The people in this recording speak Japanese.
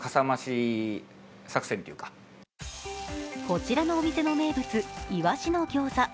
こちらのお店の名物鰯の餃子。